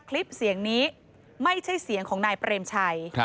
คลิปเสียงนี้ไม่ใช่เสียงของนายเปรมชัย